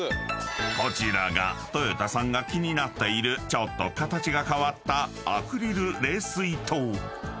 ［こちらがとよたさんが気になっているちょっと形が変わった］